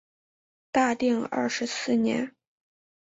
大定二十四年。